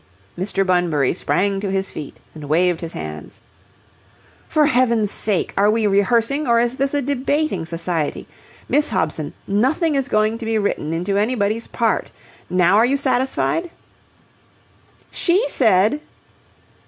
Mr. Bunbury sprang to his feet and waved his hands. "For heaven's sake! Are we rehearsing, or is this a debating society? Miss Hobson, nothing is going to be written into anybody's part. Now are you satisfied?" "She said..."